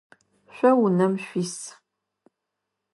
Шъо унэм шъуис?